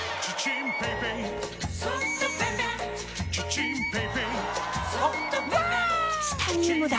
チタニウムだ！